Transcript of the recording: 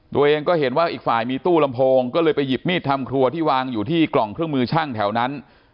ตัวเองก็เห็นว่าอีกฝ่ายมีตู้ลำโพงก็เลยไปหยิบมีดทำครัวที่วางอยู่ที่กล่องเครื่องมือช่างแถวนั้น